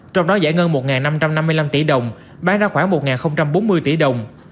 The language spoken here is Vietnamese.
trong đó giải ngân một năm trăm năm mươi năm tỷ đồng bán ra khoảng một bốn mươi tỷ đồng